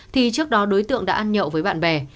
thì trước đó đối tượng đã ăn nhậu với bạn bè